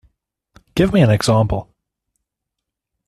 Give me an example